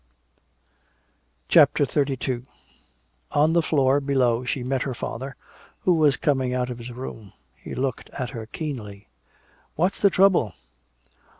CHAPTER XXXII On the floor below she met her father, who was coming out of his room. He looked at her keenly: "What's the trouble?"